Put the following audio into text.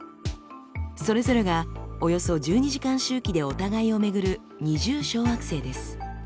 それぞれがおよそ１２時間周期でお互いを巡る二重小惑星です。